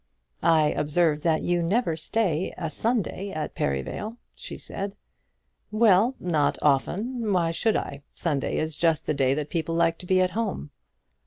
"I observe that you never stay a Sunday at Perivale," she said. "Well; not often. Why should I? Sunday is just the day that people like to be at home."